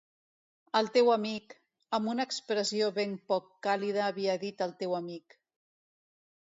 El teu amic... amb una expressió ben poc càlida havia dit el teu amic...